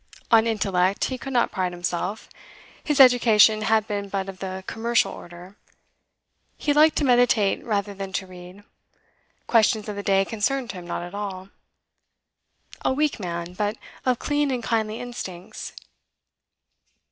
On intellect he could not pride himself; his education had been but of the 'commercial' order; he liked to meditate rather than to read; questions of the day concerned him not at all. A weak man, but of clean and kindly instincts.